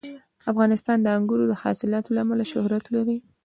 افغانستان د انګورو د حاصلاتو له امله شهرت لري.